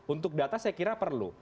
untuk data saya kira perlu